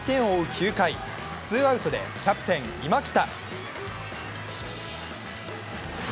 ９回ツーアウトでキャプテン・今北。